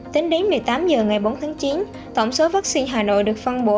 tính đến một mươi tám h ngày bốn tháng chín tổng số vaccine hà nội được phân bổ